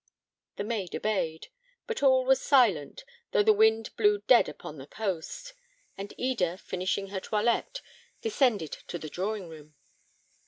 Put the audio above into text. The maid obeyed, but all was silent, though the wind blew dead upon the coast; and Eda, finishing her toilette, descended to the drawing room.